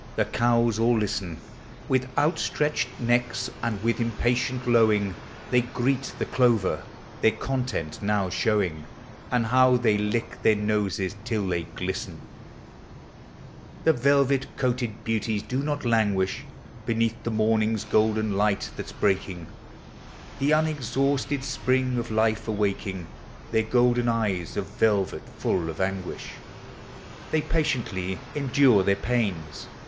The cows all listen With outstretched necks, and with impatient lowing; They greet the clover, their content now show ing— And how they lick their noses till they glisten ! The velvet coated beauties do not languish Beneath the morning's golden light that 's breaking, The unexhausted spring of life awaking, Their golden eyes of velvet full of anguish. They patiently endure their pains.